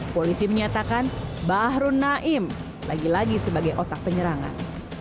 polisi menyatakan bahru naim lagi lagi sebagai otak penyerangan